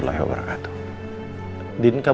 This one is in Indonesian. tidak diantukkan untuk hidup runyam